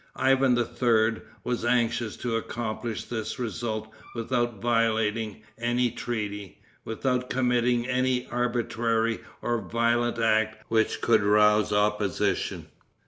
Ivan III. was anxious to accomplish this result without violating any treaty, without committing any arbitrary or violent act which could rouse opposition.